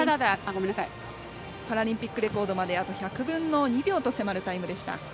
パラリンピックレコードまであと１００分の２秒と迫るタイムでした。